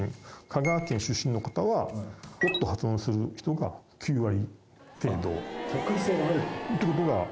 香川県出身の方は「Ｏ」と発音する人が９割程度。